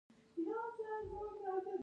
افغانستان د مس له پلوه متنوع دی.